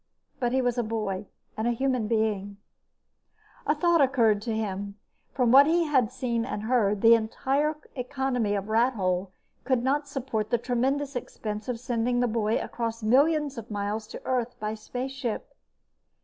But he was a boy, and a human being. A thought occurred to him. From what he had seen and heard, the entire economy of Rathole could not support the tremendous expense of sending the boy across the millions of miles to Earth by spaceship.